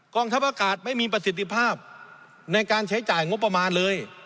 งทัพอากาศไม่มีประสิทธิภาพในการใช้จ่ายงบประมาณเลย